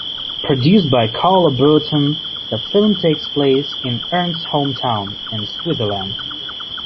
Produced by Carlo Burton, the film takes place in Ernst's hometown in Switzerland.